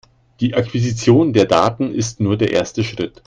Die Akquisition der Daten ist nur der erste Schritt.